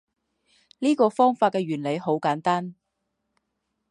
这个方法的原理很简单